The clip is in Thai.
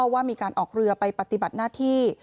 ว่ามีการออกเรือไปปฏิบัติหน้าที่